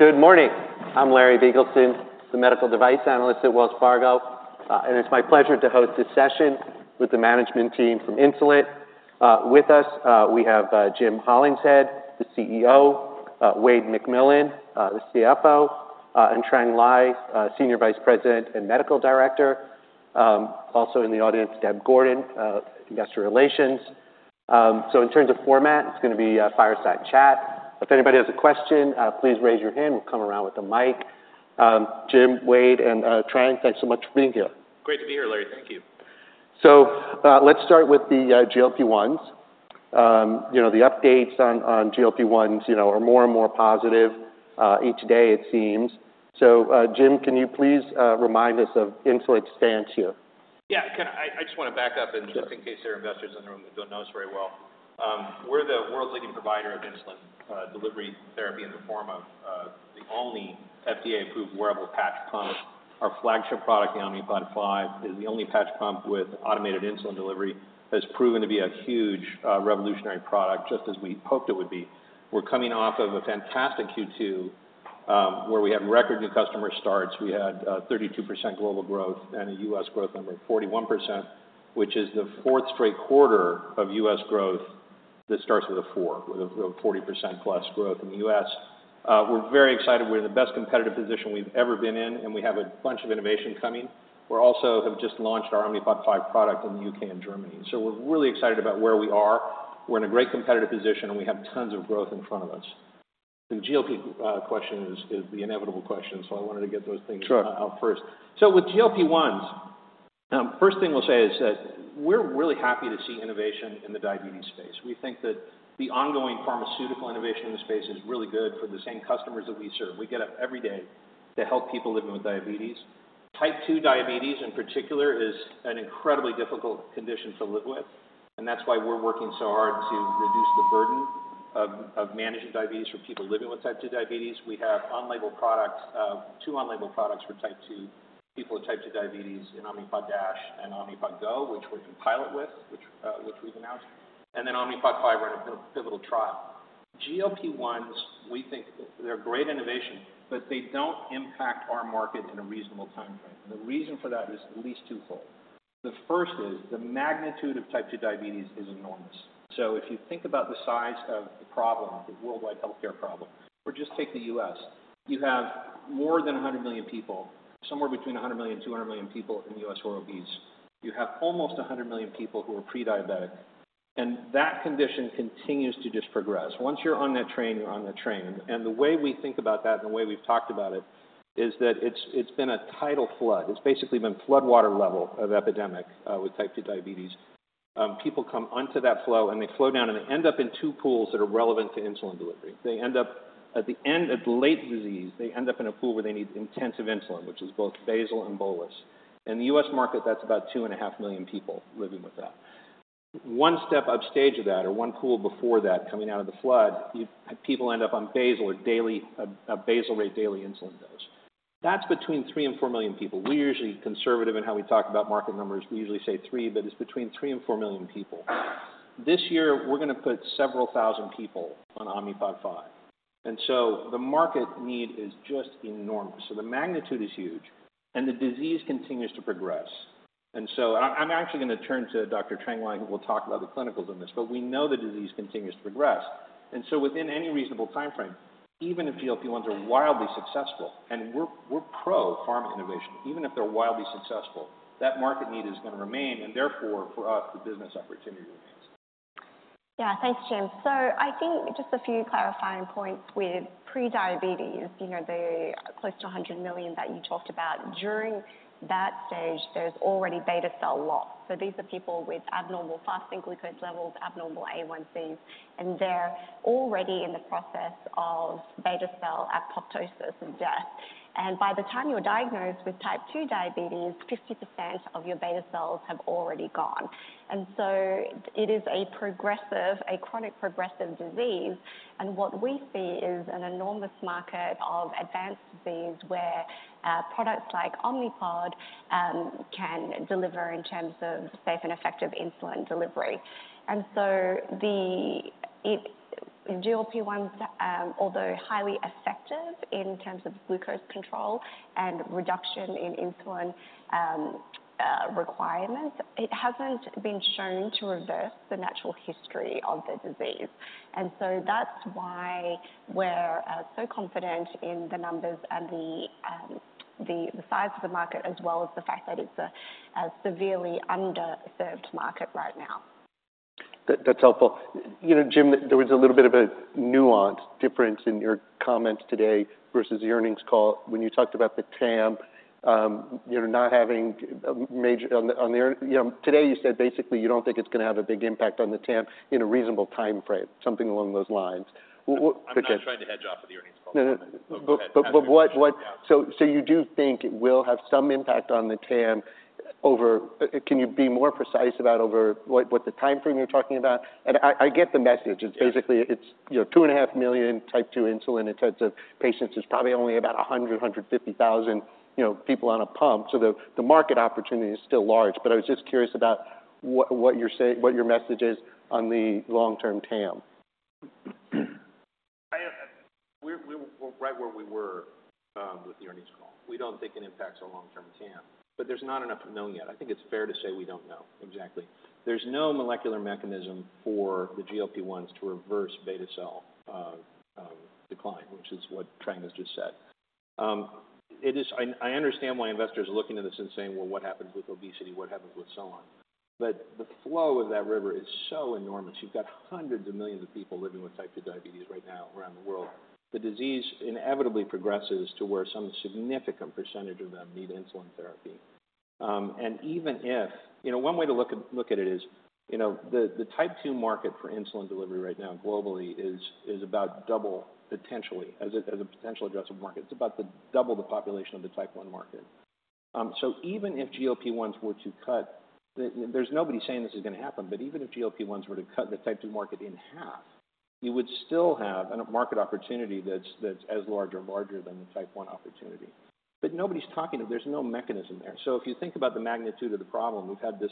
Good morning. I'm Larry Biegelsen, the medical device analyst at Wells Fargo, and it's my pleasure to host this session with the management team from Insulet. With us, we have Jim Hollingshead, the CEO, Wayde McMillan, the CFO, and Trang Ly, Senior Vice President and Medical Director. Also in the audience, Deb Gordon, Investor Relations. So in terms of format, it's going to be a fireside chat. If anybody has a question, please raise your hand. We'll come around with the mic. Jim, Wayde, and Trang, thanks so much for being here. Great to be here, Larry. Thank you. So, let's start with the GLP-1s. You know, the updates on GLP-1s, you know, are more and more positive, each day it seems. So, Jim, can you please remind us of Insulet's stance here? Yeah, can I, I just want to back up. Sure. Just in case there are investors in the room who don't know us very well. We're the world's leading provider of insulin delivery therapy in the form of the only FDA-approved wearable patch pump. Our flagship product, the Omnipod 5, is the only patch pump with automated insulin delivery, has proven to be a huge revolutionary product, just as we hoped it would be. We're coming off of a fantastic Q2, where we had record new customer starts. We had 32% global growth and a U.S. growth number of 41%, which is the fourth straight quarter of U.S. growth. That starts with a four, with a 40%+ growth in the U.S. We're very excited. We're in the best competitive position we've ever been in, and we have a bunch of innovation coming. We have also just launched our Omnipod 5 product in the UK and Germany. So we're really excited about where we are. We're in a great competitive position, and we have tons of growth in front of us. The GLP question is the inevitable question, so I wanted to get those things. Sure Out first. So with GLP-1s, first thing we'll say is that we're really happy to see innovation in the diabetes space. We think that the ongoing pharmaceutical innovation in this space is really good for the same customers that we serve. We get up every day to help people living with diabetes. Type 2 diabetes, in particular, is an incredibly difficult condition to live with, and that's why we're working so hard to reduce the burden of managing diabetes for people living with Type 2 diabetes. We have unlabeled products, two unlabeled products for Type 2, people with Type 2 diabetes in Omnipod DASH and Omnipod GO, which we're in pilot with, which we've announced, and then Omnipod 5, we're in a pivotal trial. GLP-1s, we think they're great innovation, but they don't impact our market in a reasonable timeframe. The reason for that is at least twofold. The first is the magnitude of Type 2 diabetes is enormous. If you think about the size of the problem, the worldwide healthcare problem, or just take the U.S., you have more than 100 million people, somewhere between 100 million-200 million people in the U.S. who are obese. You have almost 100 million people who are pre-diabetic, and that condition continues to just progress. Once you're on that train, you're on the train. The way we think about that and the way we've talked about it is that it's been a tidal flood. It's basically been floodwater level of epidemic, with Type 2 diabetes. People come onto that flow, and they flow down, and they end up in two pools that are relevant to insulin delivery. They end up at the end, at the late disease, they end up in a pool where they need intensive insulin, which is both basal and bolus. In the U.S. market, that's about 2.5 million people living with that. One step upstage of that or one pool before that, coming out of the flood, people end up on basal or daily, a basal rate daily insulin dose. That's between 3 and 4 million people. We're usually conservative in how we talk about market numbers. We usually say three, but it's between three and four million people. This year, we're going to put several thousand people on Omnipod 5, and so the market need is just enormous. So the magnitude is huge, and the disease continues to progress. And so I'm actually going to turn to Dr. Trang Ly, who will talk about the clinicals in this, but we know the disease continues to progress. And so within any reasonable timeframe, even if GLP-1s are wildly successful, and we're, we're pro pharma innovation, even if they're wildly successful, that market need is going to remain, and therefore, for us, the business opportunity remains. Yeah. Thanks, Jim. So I think just a few clarifying points with prediabetes. You know, the close to 100 million that you talked about, during that stage, there's already beta cell loss. So these are people with abnormal fasting glucose levels, abnormal A1Cs, and they're already in the process of beta cell apoptosis and death. And by the time you're diagnosed with Type 2 Diabetes, 50% of your beta cells have already gone. And so it is a progressive, a chronic progressive disease, and what we see is an enormous market of advanced disease where, products like Omnipod, can deliver in terms of safe and effective insulin delivery. And so the, GLP-1s, although highly effective in terms of glucose control and reduction in insulin, requirements, it hasn't been shown to reverse the natural history of the disease. And so that's why we're so confident in the numbers and the size of the market, as well as the fact that it's a severely underserved market right now. That, that's helpful. You know, Jim, there was a little bit of a nuance difference in your comments today versus the earnings call when you talked about the TAM, you know, not having a major on the, on the. You know, today you said basically, you don't think it's going to have a big impact on the TAM in a reasonable timeframe, something along those lines. What, what I'm not trying to hedge off of the earnings call. No, no. But But what Yeah. So, you do think it will have some impact on the TAM over. Can you be more precise about over what timeframe you're talking about? And I get the message. Yes. It's basically, you know, 2.5 million Type 2 insulin-intensive patients. There's probably only about 150,000, you know, people on a pump. So the market opportunity is still large, but I was just curious about what you're saying, what your message is on the long-term TAM. Where we were with the earnings call. We don't think it impacts our long-term TAM, but there's not enough known yet. I think it's fair to say we don't know exactly. There's no molecular mechanism for the GLP-1s to reverse beta cell decline, which is what Trang has just said. I understand why investors are looking at this and saying, "Well, what happens with obesity? What happens with so on?" But the flow of that river is so enormous. You've got hundreds of millions of people living with Type 2 diabetes right now around the world. The disease inevitably progresses to where some significant percentage of them need insulin therapy. And even if, you know, one way to look at it is, you know, the Type 2 market for insulin delivery right now globally is about double, potentially, as a potential addressable market. It's about double the population of the Type 1 market. So even if GLP-1s were to cut, there's nobody saying this is going to happen, but even if GLP-1s were to cut the Type 2 market in half, you would still have a market opportunity that's as large or larger than the Type 1 opportunity. But nobody's talking, there's no mechanism there. So if you think about the magnitude of the problem, we've had this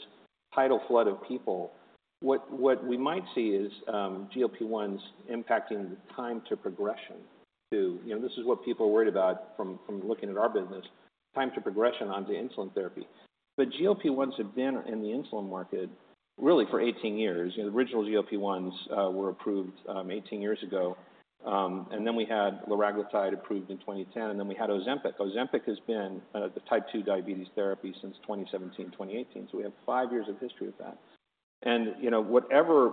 tidal flood of people. What we might see is, GLP-1s impacting the time to progression to... You know, this is what people are worried about from, from looking at our business, time to progression onto insulin therapy. But GLP-1s have been in the insulin market really for 18 years. You know, the original GLP-1s were approved 18 years ago. And then we had liraglutide approved in 2010, and then we had Ozempic. Ozempic has been the type 2 diabetes therapy since 2017, 2018, so we have five years of history with that. And, you know, whatever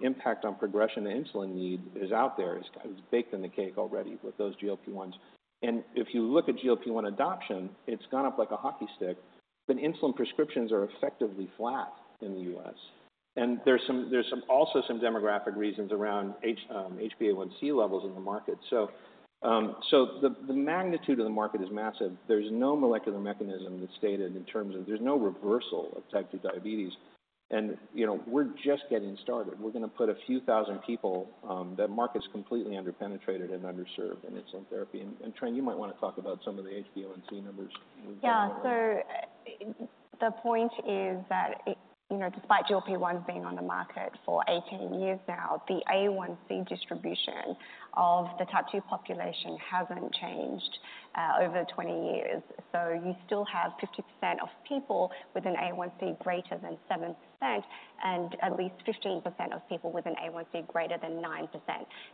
impact on progression to insulin need is out there is baked in the cake already with those GLP-1s. And if you look at GLP-1 adoption, it's gone up like a hockey stick, but insulin prescriptions are effectively flat in the US. And there's some also some demographic reasons around HbA1c levels in the market. So, the magnitude of the market is massive. There's no molecular mechanism that's stated in terms of there's no reversal of type 2 diabetes. And, you know, we're just getting started. We're going to put a few thousand people, that market's completely underpenetrated and underserved, and it's in therapy. And, Trang, you might want to talk about some of the HbA1c numbers. Yeah. So the point is that it, you know, despite GLP-1s being on the market for 18 years now, the A1C distribution of the type 2 population hasn't changed over 20 years. So you still have 50% of people with an A1C greater than 7%, and at least 15% of people with an A1C greater than 9%.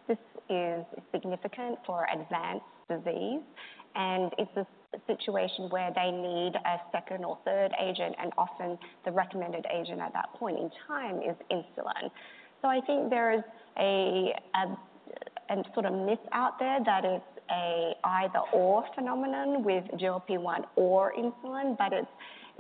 This is significant for advanced disease, and it's a situation where they need a second or third agent, and often the recommended agent at that point in time is insulin. So I think there's a sort of myth out there that it's a either/or phenomenon with GLP-1 or insulin, but it's,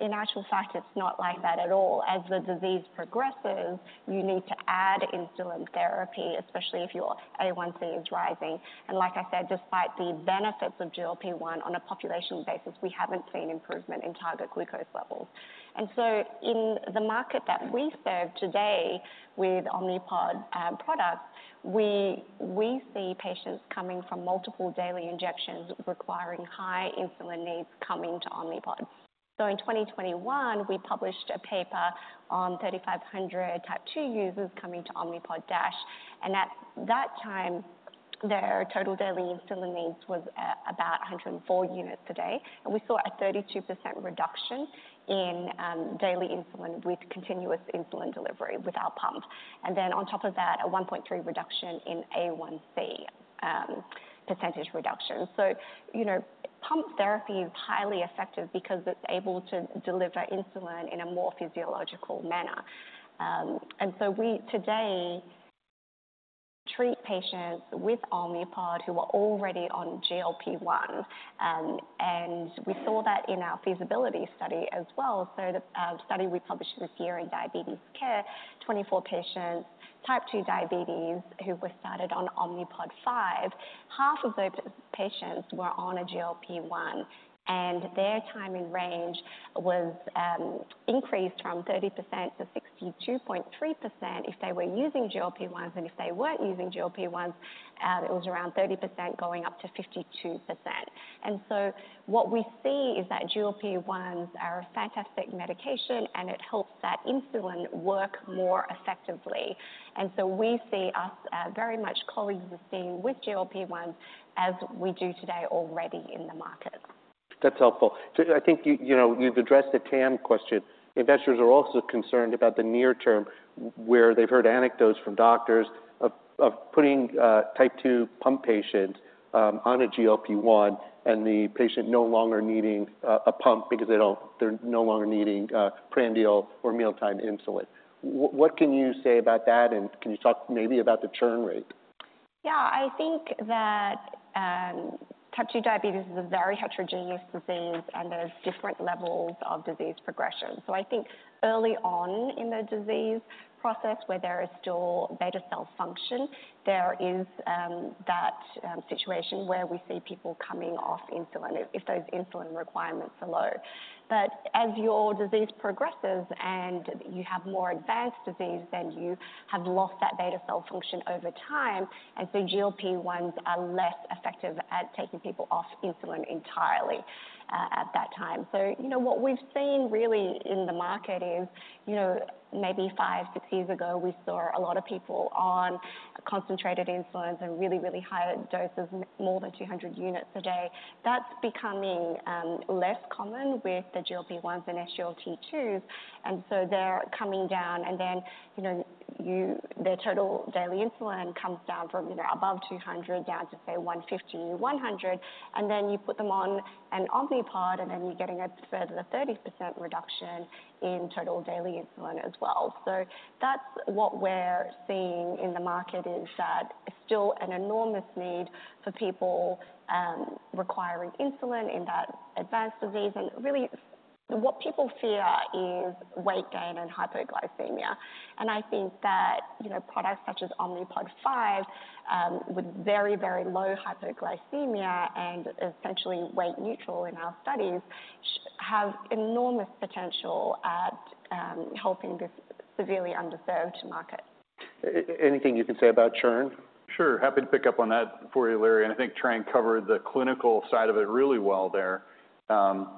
in actual fact, it's not like that at all. As the disease progresses, you need to add insulin therapy, especially if your A1C is rising. Like I said, despite the benefits of GLP-1 on a population basis, we haven't seen improvement in target glucose levels. So in the market that we serve today with Omnipod products, we see patients coming from multiple daily injections requiring high insulin needs coming to Omnipod. In 2021, we published a paper on 3,500 Type 2 users coming to Omnipod DASH, and at that time, their total daily insulin needs was about 104 units a day. And we saw a 32% reduction in daily insulin with continuous insulin delivery with our pump. And then on top of that, a 1.3 reduction in A1C percentage reduction. So you know, pump therapy is highly effective because it's able to deliver insulin in a more physiological manner. And so we today treat patients with Omnipod who are already on GLP-1, and we saw that in our feasibility study as well. So the study we published this year in Diabetes Care, 24 patients, Type 2 Diabetes, who were started on Omnipod 5, half of those patients were on a GLP-1, and their Time in Range was increased from 30% to 62.3% if they were using GLP-1s. And if they weren't using GLP-1s, it was around 30%, going up to 52%. And so what we see is that GLP-1s are a fantastic medication, and it helps that insulin work more effectively. And so we see us very much coexisting with GLP-1 as we do today already in the market. That's helpful. So I think you know you've addressed the TAM question. Investors are also concerned about the near term, where they've heard anecdotes from doctors of putting Type 2 pump patients on a GLP-1, and the patient no longer needing a pump because they don't, they're no longer needing prandial or mealtime insulin. What can you say about that, and can you talk maybe about the churn rate? Yeah. I think that Type 2 diabetes is a very heterogeneous disease, and there's different levels of disease progression. So I think early on in the disease process, where there is still beta cell function, there is that situation where we see people coming off insulin if those insulin requirements are low. But as your disease progresses and you have more advanced disease, then you have lost that beta cell function over time, and so GLP-1s are less effective at taking people off insulin entirely at that time. So, you know, what we've seen really in the market is, you know, maybe five, six years ago, we saw a lot of people on concentrated insulins and really, really high doses, more than 200 units a day. That's becoming less common with the GLP-1s and SGLT2s, and so they're coming down, and then, you know, their total daily insulin comes down from, you know, above 200 down to, say, 150, 100, and then you put them on an Omnipod 5, and then you're getting a further 30% reduction in total daily insulin as well. So that's what we're seeing in the market, is that it's still an enormous need for people requiring insulin in that advanced disease. And really, what people fear is weight gain and hypoglycemia. And I think that, you know, products such as Omnipod 5 with very, very low hypoglycemia and essentially weight neutral in our studies have enormous potential at helping this severely underserved market. Anything you can say about churn? Sure, happy to pick up on that for you, Larry, and I think Trang covered the clinical side of it really well there.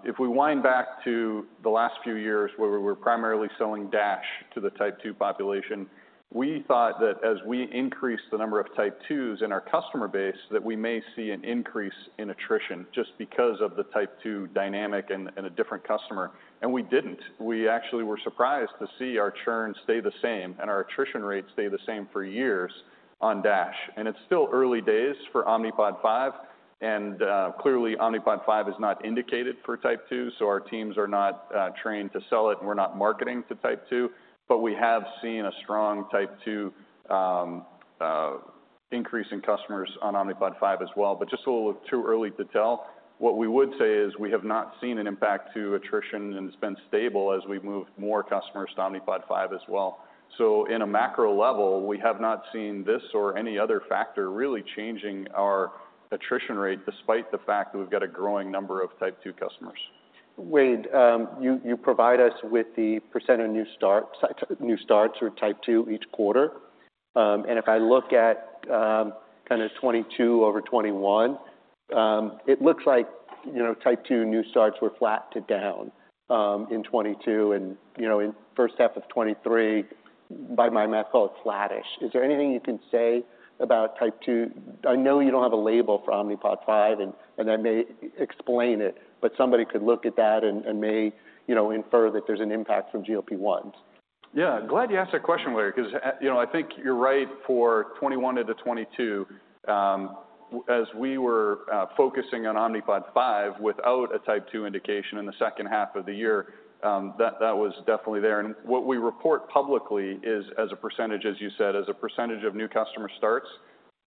If we wind back to the last few years where we were primarily selling DASH to the Type 2 population, we thought that as we increased the number of Type 2s in our customer base, that we may see an increase in attrition just because of the Type 2 dynamic and a different customer. And we didn't. We actually were surprised to see our churn stay the same and our attrition rate stay the same for years on DASH. And it's still early days for Omnipod 5, and clearly, Omnipod 5 is not indicated for Type 2, so our teams are not trained to sell it, and we're not marketing to Type 2. But we have seen a strong Type 2 increase in customers on Omnipod 5 as well, but just a little too early to tell. What we would say is we have not seen an impact to attrition, and it's been stable as we've moved more customers to Omnipod 5 as well. So in a macro level, we have not seen this or any other factor really changing our attrition rate, despite the fact that we've got a growing number of Type 2 customers. Wayde, you provide us with the % of new starts for Type 2 each quarter. If I look at kind of 2022 over 2021, it looks like, you know, Type 2 new starts were flat to down in 2022 and, you know, in first half of 2023, by my math, call it flattish. Is there anything you can say about Type 2? I know you don't have a label for Omnipod 5, and that may explain it, but somebody could look at that and may, you know, infer that there's an impact from GLP-1s. Yeah, glad you asked that question, Larry, because, you know, I think you're right for 2021 into 2022. We were focusing on Omnipod 5 without a Type 2 indication in the second half of the year, that was definitely there. What we report publicly is as a percentage, as you said, as a percentage of new customer starts.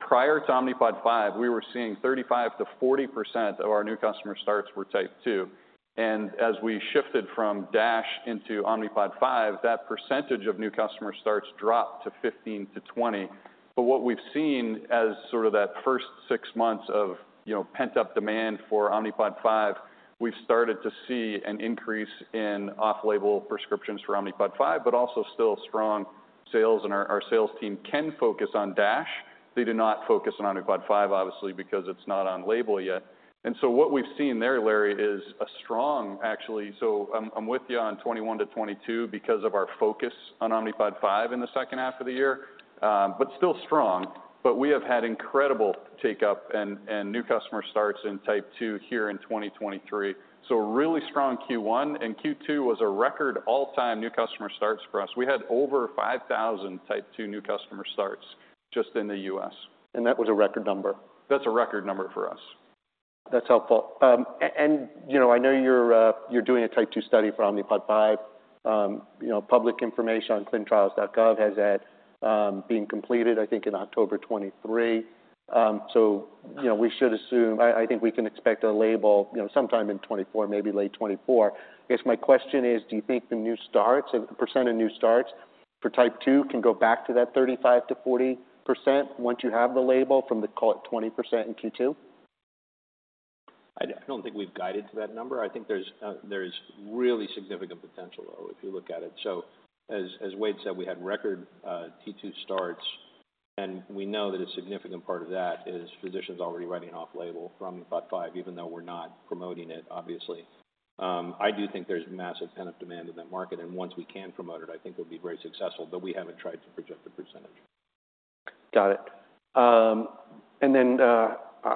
Prior to Omnipod 5, we were seeing 35%-40% of our new customer starts were Type 2, and as we shifted from DASH into Omnipod 5, that percentage of new customer starts dropped to 15%-20%. What we've seen as sort of that first six months of, you know, pent-up demand for Omnipod 5, we've started to see an increase in off-label prescriptions for Omnipod 5, but also still strong sales. Our sales team can focus on DASH. They do not focus on Omnipod 5, obviously, because it's not on label yet. So what we've seen there, Larry, is a strong actually. So I'm with you on 2021-2022 because of our focus on Omnipod 5 in the second half of the year, but still strong. But we have had incredible take-up and new customer starts in Type 2 here in 2023. So a really strong Q1 and Q2 was a record all-time new customer starts for us. We had over 5,000 Type 2 new customer starts just in the U.S. That was a record number? That's a record number for us. That's helpful. And, you know, I know you're doing a Type 2 study for Omnipod 5. You know, public information on clinicaltrials.gov has that being completed, I think, in October 2023. So, you know, we should assume. I think we can expect a label, you know, sometime in 2024, maybe late 2024. I guess my question is, do you think the new starts, or the percent of new starts for Type 2, can go back to that 35%-40% once you have the label from the, call it, 20% in Q2? I don't think we've guided to that number. I think there's really significant potential, though, if you look at it. So as, as Wayde said, we had record T2 starts, and we know that a significant part of that is physicians already writing off-label for Omnipod 5, even though we're not promoting it, obviously. I do think there's massive pent-up demand in that market, and once we can promote it, I think we'll be very successful, but we haven't tried to project a percentage. Got it. And then,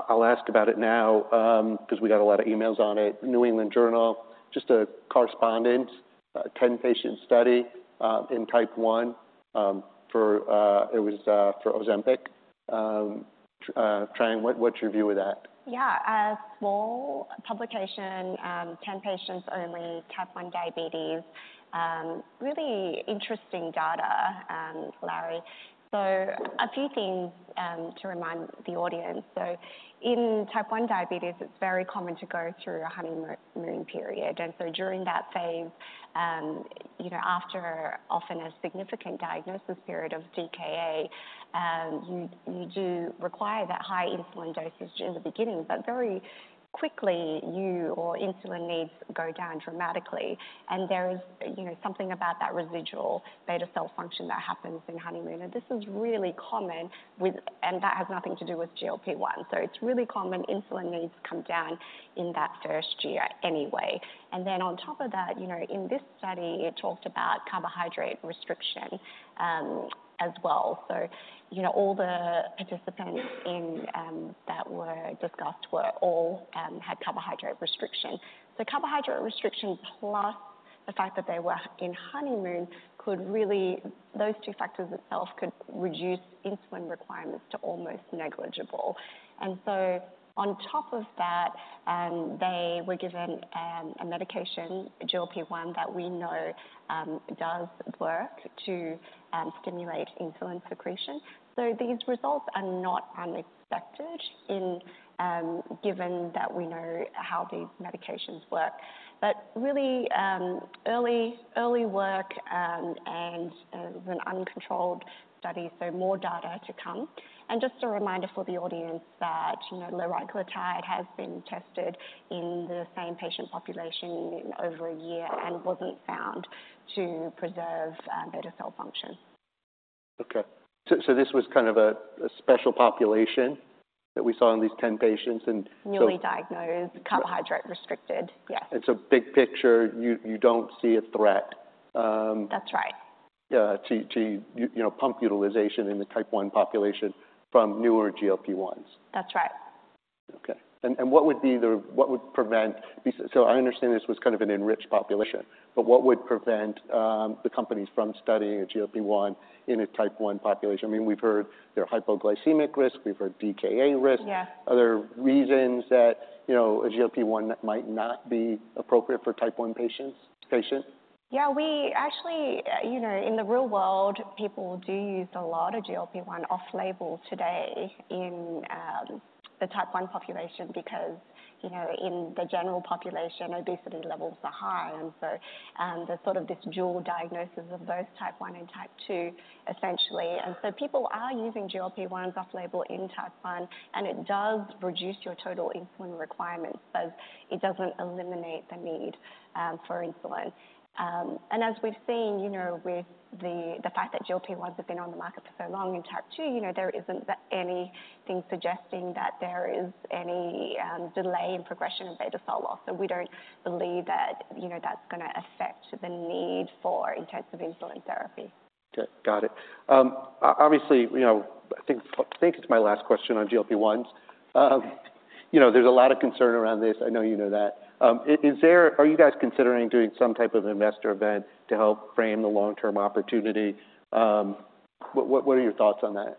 I'll ask about it now, because we got a lot of emails on it. New England Journal, just a correspondence, a 10-patient study, in Type 1, for it was for Ozempic. Trang, what's your view of that? Yeah, a small publication, 10 patients only, type 1 diabetes. Really interesting data, Larry. So a few things to remind the audience. So in type 1 diabetes, it's very common to go through a honeymoon period. And so during that phase, you know, after often a significant diagnosis period of DKA, you do require that high insulin dosage in the beginning, but very quickly, your insulin needs go down dramatically. And there is, you know, something about that residual beta cell function that happens in honeymoon, and this is really common with-- and that has nothing to do with GLP-1. So it's really common insulin needs come down in that first year anyway. And then on top of that, you know, in this study, it talked about carbohydrate restriction, as well. So, you know, all the participants in that were discussed were all had carbohydrate restriction. So carbohydrate restriction, plus the fact that they were in honeymoon, could really, those two factors themselves could reduce insulin requirements to almost negligible. And so on top of that, they were given a medication, GLP-1, that we know does work to stimulate insulin secretion. So these results are not unexpected in, given that we know how these medications work. But really, early, early work and an uncontrolled study, so more data to come. And just a reminder for the audience that, you know, liraglutide has been tested in the same patient population in over a year and wasn't found to preserve beta cell function. Okay. So this was kind of a special population that we saw in these 10 patients, and so Newly diagnosed, carbohydrate restricted. Yes. It's a big picture. You don't see a threat. That's right Yeah, to you know, pump utilization in the Type 1 population from newer GLP-1s. That's right. Okay. And what would be the—what would prevent these? So I understand this was kind of an enriched population, but what would prevent the companies from studying a GLP-1 in a Type 1 population? I mean, we've heard there are hypoglycemic risks. We've heard DKA risks. Yeah. Are there reasons that, you know, a GLP-1 might not be appropriate for Type 1 patients? Yeah, we actually, you know, in the real world, people do use a lot of GLP-1 off-label today in the Type 1 population because, you know, in the general population, obesity levels are high. And so, there's sort of this dual diagnosis of both Type 1 and Type 2 essentially. And so people are using GLP-1s off-label in Type 1, and it does reduce your total insulin requirements, but it doesn't eliminate the need for insulin. And as we've seen, you know, with the fact that GLP-1s have been on the market for so long in Type 2, you know, there isn't anything suggesting that there is any delay in progression of beta cell loss. So we don't believe that, you know, that's going to affect the need for intensive insulin therapy. Okay, got it. Obviously, you know, I think, I think it's my last question on GLP-1s. You know, there's a lot of concern around this. I know you know that. Is there - are you guys considering doing some type of investor event to help frame the long-term opportunity? What are your thoughts on that?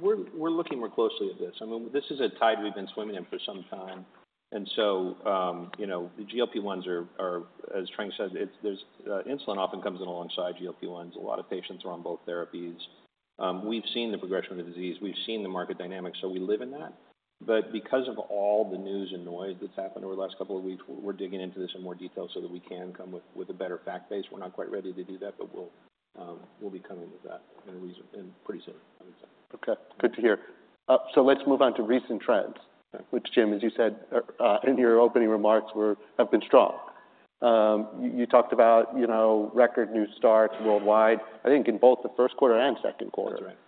We're looking more closely at this. I mean, this is a tide we've been swimming in for some time, and so, you know, the GLP-1s are, as Trang said, there's insulin often comes in alongside GLP-1s. A lot of patients are on both therapies. We've seen the progression of the disease, we've seen the market dynamics, so we live in that. But because of all the news and noise that's happened over the last couple of weeks, we're digging into this in more detail so that we can come with a better fact base. We're not quite ready to do that, but we'll be coming with that pretty soon, I would say. Okay, good to hear. So let's move on to recent trends, which, Jim, as you said, in your opening remarks have been strong. You talked about, you know, record new starts worldwide, I think, in both the first quarter and second quarter. That's right.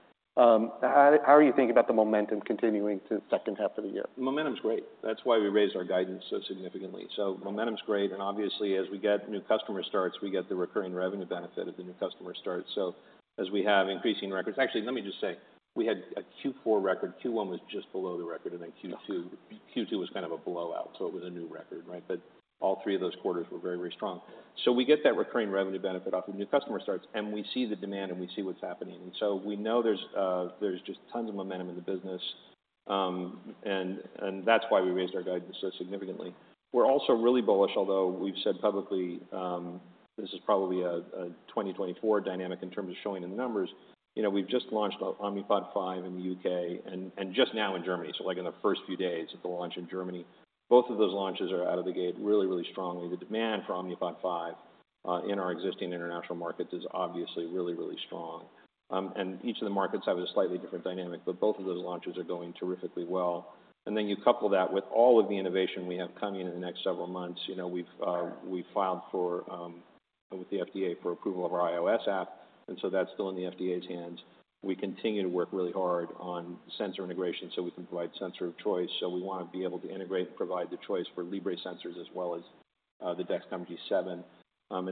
How are you thinking about the momentum continuing to the second half of the year? Momentum's great. That's why we raised our guidance so significantly. So momentum's great, and obviously, as we get new customer starts, we get the recurring revenue benefit of the new customer starts. So as we have increasing records. Actually, let me just say, we had a Q4 record. Q1 was just below the record, and then Q2 was kind of a blowout, so it was a new record, right? But all three of those quarters were very, very strong. So we get that recurring revenue benefit off the new customer starts, and we see the demand, and we see what's happening. And so we know there's just tons of momentum in the business, and that's why we raised our guidance so significantly. We're also really bullish, although we've said publicly, this is probably a 2024 dynamic in terms of showing in the numbers. You know, we've just launched Omnipod 5 in the UK and just now in Germany, so like in the first few days of the launch in Germany. Both of those launches are out of the gate really, really strongly. The demand for Omnipod 5 in our existing international markets is obviously really, really strong. And each of the markets have a slightly different dynamic, but both of those launches are going terrifically well. And then you couple that with all of the innovation we have coming in the next several months. You know, we've filed for with the FDA for approval of our iOS app, and so that's still in the FDA's hands. We continue to work really hard on sensor integration, so we can provide sensor of choice. We want to be able to integrate and provide the choice for Libre sensors as well as the Dexcom G7.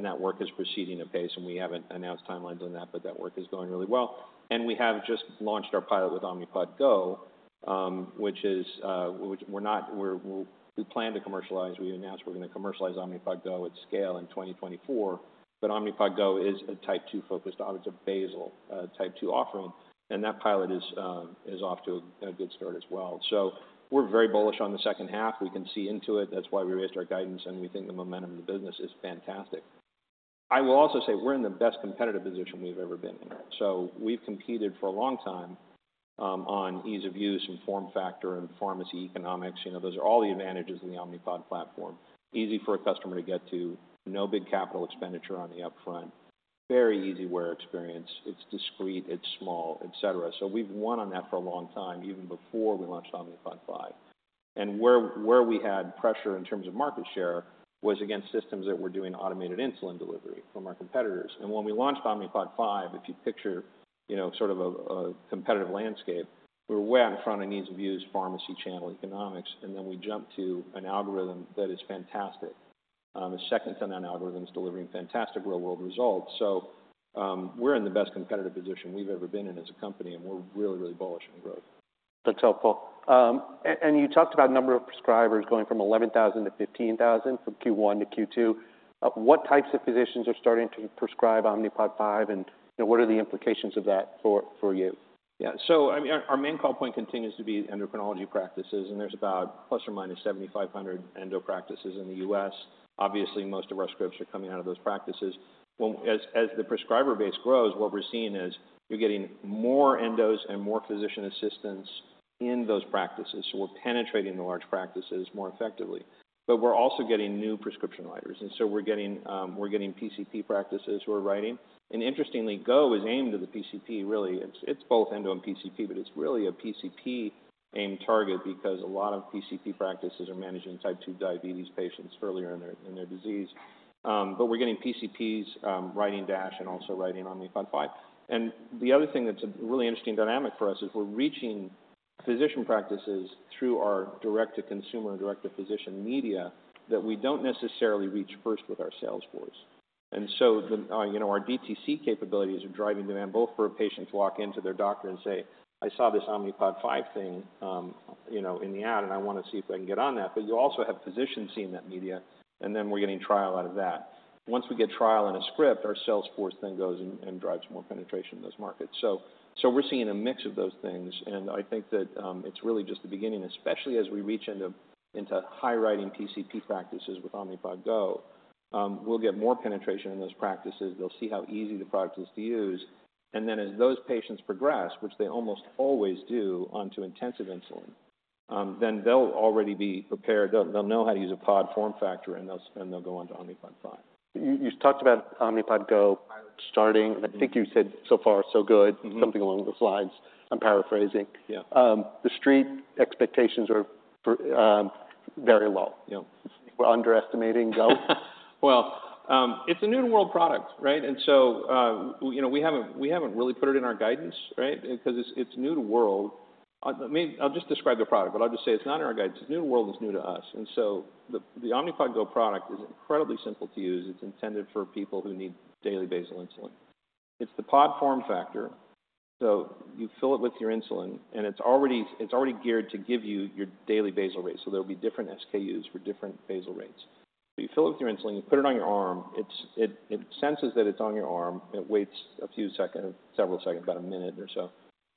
That work is proceeding apace, and we haven't announced timelines on that, but that work is going really well. We have just launched our pilot with Omnipod GO, which we plan to commercialize. We announced we're going to commercialize Omnipod GO at scale in 2024. Omnipod GO is a Type 2-focused audit, it's a basal Type 2 offering, and that pilot is off to a good start as well. We're very bullish on the second half. We can see into it. That's why we raised our guidance, and we think the momentum of the business is fantastic. I will also say we're in the best competitive position we've ever been in. So we've competed for a long time on ease of use and form factor and pharmacy economics. You know, those are all the advantages of the Omnipod platform. Easy for a customer to get to, no big capital expenditure on the upfront. Very easy wear experience. It's discreet, it's small, et cetera. So we've won on that for a long time, even before we launched Omnipod 5. And where we had pressure in terms of market share was against systems that were doing automated insulin delivery from our competitors. When we launched Omnipod 5, if you picture, you know, sort of a competitive landscape, we were way out in front of ease of use, pharmacy channel economics, and then we jumped to an algorithm that is fantastic. The second-to-none algorithms delivering fantastic real-world results. So, we're in the best competitive position we've ever been in as a company, and we're really, really bullish on growth. That's helpful. And you talked about number of prescribers going from 11,000 to 15,000 from Q1 to Q2. What types of physicians are starting to prescribe Omnipod 5, and what are the implications of that for you? Yeah. So, I mean, our main call point continues to be endocrinology practices, and there's about ±7,500 endo practices in the U.S. Obviously, most of our scripts are coming out of those practices. Well, as the prescriber base grows, what we're seeing is you're getting more endos and more physician assistants in those practices. So we're penetrating the large practices more effectively, but we're also getting new prescription writers. And so we're getting, we're getting PCP practices who are writing. And interestingly, GO is aimed at the PCP really. It's, it's both endo and PCP, but it's really a PCP-aimed target because a lot of PCP practices are managing Type 2 diabetes patients earlier in their disease. But we're getting PCPs writing DASH and also writing Omnipod 5. The other thing that's a really interesting dynamic for us is we're reaching physician practices through our direct to consumer and direct to physician media that we don't necessarily reach first with our sales force. So the, you know, our DTC capabilities are driving demand both for patients walk into their doctor and say, "I saw this Omnipod 5 thing, you know, in the ad, and I want to see if I can get on that." But you also have physicians seeing that media, and then we're getting trial out of that. Once we get trial and a script, our sales force then goes and drives more penetration in those markets. So we're seeing a mix of those things, and I think that, it's really just the beginning, especially as we reach into high-writing PCP practices with Omnipod GO. We'll get more penetration in those practices. They'll see how easy the product is to use, and then as those patients progress, which they almost always do onto intensive insulin, then they'll already be prepared. They'll know how to use a pod form factor, and they'll go on to Omnipod 5. You talked about Omnipod GO starting. Mm-hmm. I think you said so far, so good. Mm-hmm. Something along those lines. I'm paraphrasing. Yeah. The Street expectations are for very low. You know, we're underestimating Go? Well, it's a new world product, right? And so, you know, we haven't, we haven't really put it in our guidance, right? Because it's, it's new to world. Maybe I'll just describe the product, but I'll just say it's not in our guidance. It's new to world. It's new to us. And so the Omnipod GO product is incredibly simple to use. It's intended for people who need daily basal insulin. It's the pod form factor, so you fill it with your insulin, and it's already, it's already geared to give you your daily basal rate. So there'll be different SKUs for different basal rates. But you fill it with your insulin, you put it on your arm, it senses that it's on your arm, it waits a few seconds, several seconds, about a minute or so,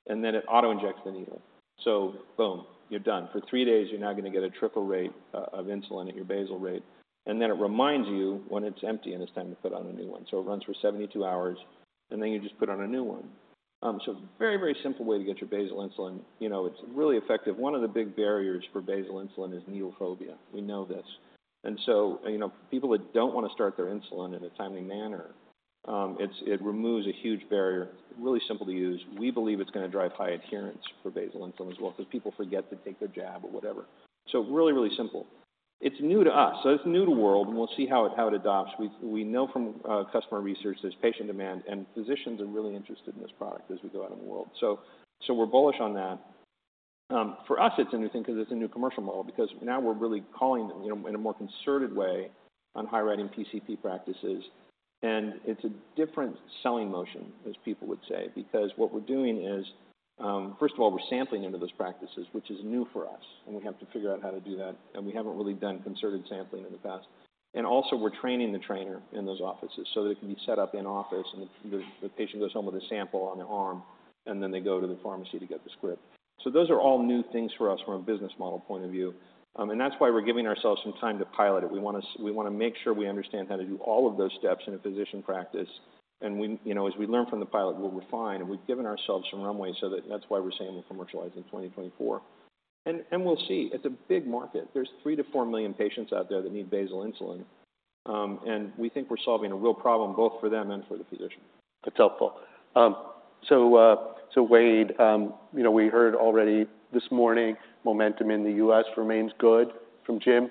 and then it auto-injects the needle. So boom, you're done. For three days, you're now going to get a triple rate of insulin at your basal rate, and then it reminds you when it's empty, and it's time to put on a new one. So it runs for 72 hours, and then you just put on a new one. So very, very simple way to get your basal insulin. You know, it's really effective. One of the big barriers for basal insulin is needle phobia. We know this. And so, you know, people that don't want to start their insulin in a timely manner, it's, it removes a huge barrier, really simple to use. We believe it's going to drive high adherence for basal insulin as well, because people forget to take their jab or whatever. So really, really simple. It's new to us, so it's new to the world, and we'll see how it adopts. We know from customer research there's patient demand, and physicians are really interested in this product as we go out in the world. So we're bullish on that. For us, it's a new thing because it's a new commercial model, because now we're really calling them, you know, in a more concerted way on high-writing PCP practices. And it's a different selling motion, as people would say, because what we're doing is, first of all, we're sampling into those practices, which is new for us, and we have to figure out how to do that, and we haven't really done concerted sampling in the past. And also, we're training the trainer in those offices so that it can be set up in-office, and the patient goes home with a sample on their arm, and then they go to the pharmacy to get the script. So those are all new things for us from a business model point of view. And that's why we're giving ourselves some time to pilot it. We want to make sure we understand how to do all of those steps in a physician practice. And we, you know, as we learn from the pilot, we'll refine, and we've given ourselves some runway so that. That's why we're saying we'll commercialize in 2024. And we'll see. It's a big market. There's three-four million patients out there that need basal insulin, and we think we're solving a real problem, both for them and for the physician. That's helpful. So, Wayde, you know, we heard already this morning, momentum in the U.S. remains good from Jim.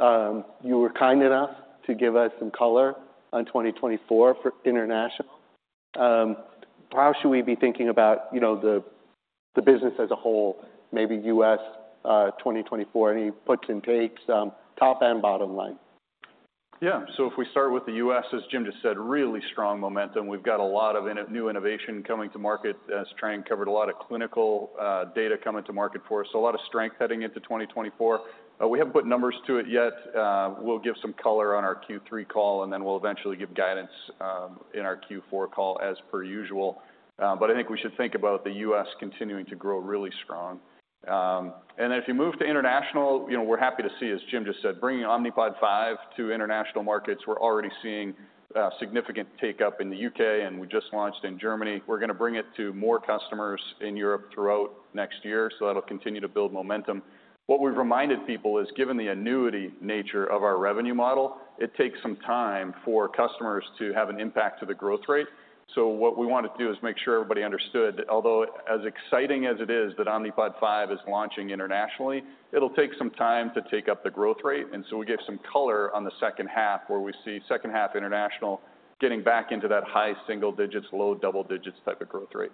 You were kind enough to give us some color on 2024 for international. How should we be thinking about, you know, the business as a whole, maybe U.S., 2024, any puts and takes, top and bottom line? Yeah, so if we start with the U.S., as Jim just said, really strong momentum. We've got a lot of new innovation coming to market, as Trang covered, a lot of clinical data coming to market for us. So a lot of strength heading into 2024. We haven't put numbers to it yet. We'll give some color on our Q3 call, and then we'll eventually give guidance in our Q4 call as per usual. But I think we should think about the U.S. continuing to grow really strong. And if you move to international, you know, we're happy to see, as Jim just said, bringing Omnipod 5 to international markets. We're already seeing significant take up in the U.K., and we just launched in Germany. We're going to bring it to more customers in Europe throughout next year, so that'll continue to build momentum. What we've reminded people is, given the annuity nature of our revenue model, it takes some time for customers to have an impact to the growth rate. So what we want to do is make sure everybody understood, although as exciting as it is, that Omnipod 5 is launching internationally, it'll take some time to take up the growth rate. And so we gave some color on the second half, where we see second half international getting back into that high single digits, low double digits type of growth rate.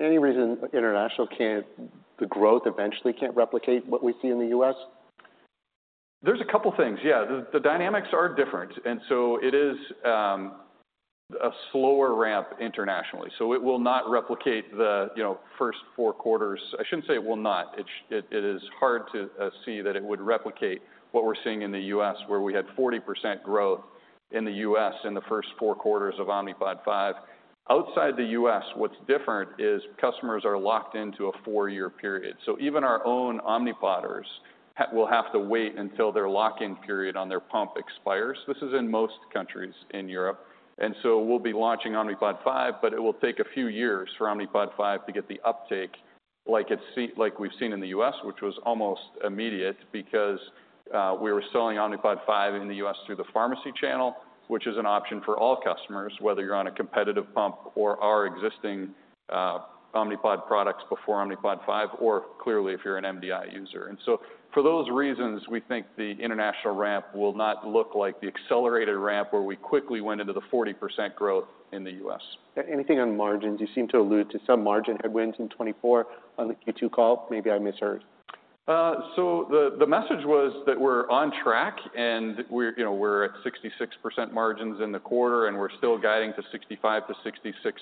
Any reason international can't, the growth eventually can't replicate what we see in the U.S.? There's a couple things. Yeah, the dynamics are different, and so it is a slower ramp internationally, so it will not replicate the, you know, first four quarters. I shouldn't say it will not. It is hard to see that it would replicate what we're seeing in the U.S., where we had 40% growth in the U.S. in the first four quarters of Omnipod 5. Outside the U.S., what's different is customers are locked into a four-year period. So even our own Omnipoders will have to wait until their lock-in period on their pump expires. This is in most countries in Europe, and so we'll be launching Omnipod 5, but it will take a few years for Omnipod 5 to get the uptake like we've seen in the U.S., which was almost immediate because we were selling Omnipod 5 in the U.S. through the pharmacy channel, which is an option for all customers, whether you're on a competitive pump or our existing Omnipod products before Omnipod 5, or clearly, if you're an MDI user. And so for those reasons, we think the international ramp will not look like the accelerated ramp, where we quickly went into the 40% growth in the U.S. Anything on margins? You seem to allude to some margin headwinds in 2024 on the Q2 call. Maybe I misheard. So the message was that we're on track and we're, you know, we're at 66% margins in the quarter, and we're still guiding to 65%-66%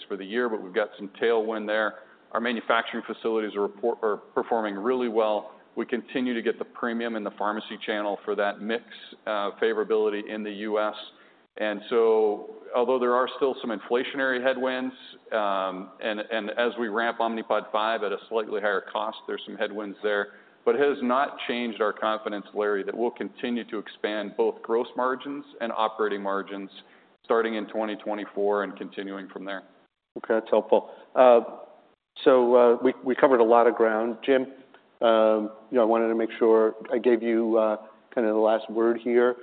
for the year, but we've got some tailwind there. Our manufacturing facilities are performing really well. We continue to get the premium in the pharmacy channel for that mix, favorability in the U.S. And so although there are still some inflationary headwinds, and as we ramp Omnipod 5 at a slightly higher cost, there's some headwinds there, but it has not changed our confidence, Larry, that we'll continue to expand both gross margins and operating margins, starting in 2024 and continuing from there. Okay, that's helpful. So, we covered a lot of ground. Jim, you know, I wanted to make sure I gave you kind of the last word here.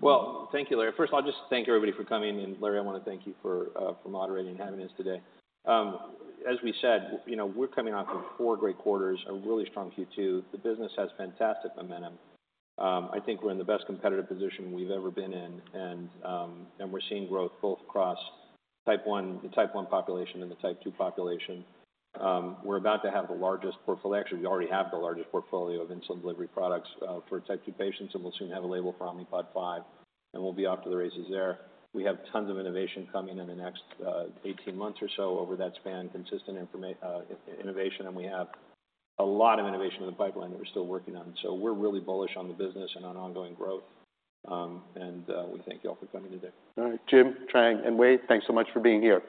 Well, thank you, Larry. First of all, just thank everybody for coming. And Larry, I want to thank you for for moderating and having us today. As we said, you know, we're coming off of four great quarters, a really strong Q2. The business has fantastic momentum. I think we're in the best competitive position we've ever been in, and and we're seeing growth both across Type 1, the Type 1 population and the Type 2 population. We're about to have the largest portfolio—actually, we already have the largest portfolio of insulin delivery products for Type 2 patients, and we'll soon have a label for Omnipod 5, and we'll be off to the races there. We have tons of innovation coming in the next 18 months or so over that span, consistent innovation, and we have a lot of innovation in the pipeline that we're still working on. So we're really bullish on the business and on ongoing growth. We thank you all for coming today. All right, Jim, Trang, and Wayde, thanks so much for being here.